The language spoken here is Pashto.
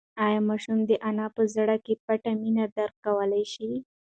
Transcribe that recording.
ایا ماشوم د انا په زړه کې پټه مینه درک کولی شي؟